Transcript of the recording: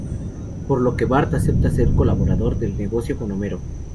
Por lo que Bart acepta ser colaborador del negocio con Homer.